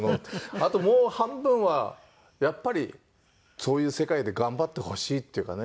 あともう半分はやっぱりそういう世界で頑張ってほしいっていうかね。